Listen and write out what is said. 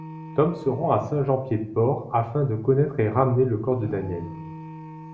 Tom se rend à Saint-Jean-Pied-de-Port afin de reconnaître et ramener le corps de Daniel.